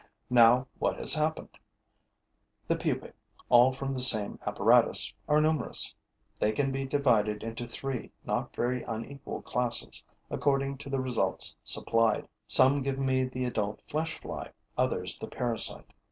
Now what has happened? The pupae, all from the same apparatus, are numerous. They can be divided into three not very unequal classes, according to the results supplied. Some give me the adult flesh fly, others the parasite.